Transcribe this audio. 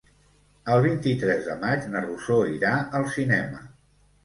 El vint-i-tres de maig na Rosó irà al cinema.